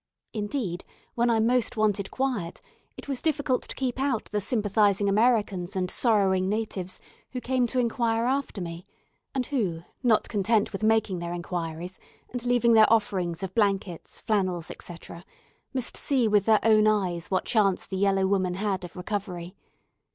Indeed, when I most wanted quiet, it was difficult to keep out the sympathising Americans and sorrowing natives who came to inquire after me; and who, not content with making their inquiries, and leaving their offerings of blankets, flannel, etc., must see with their own eyes what chance the yellow woman had of recovery.